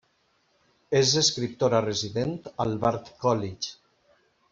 És escriptora resident al Bard College.